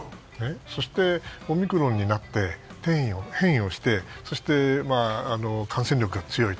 そして、オミクロンになって変異をしてそして感染力が強い。